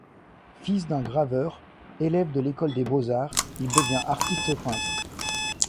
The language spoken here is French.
Fils d'un graveur, élève de l'école des beaux-arts, il devient artiste peintre.